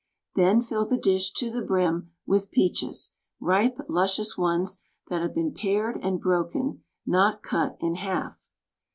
Then fill the dish to the brim with peaches — ripe, luscious ones, that have been pared and broken — not cut — in half.